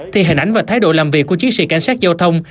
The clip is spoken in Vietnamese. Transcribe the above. thì hình ảnh và thái độ làm việc của chiến sĩ cảnh sát giao thông